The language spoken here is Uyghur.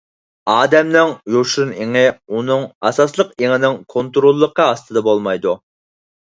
ئادەمنىڭ يوشۇرۇن ئېڭى ئۇنىڭ ئاساسلىق ئېڭىنىڭ كونتروللۇقى ئاستىدا بولمايدۇ.